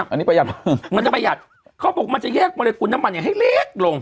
อันนี้ประหัดมันจะประหยัดเขาบอกมันจะแยกมรกุลน้ำมันเนี่ยให้เล็กลง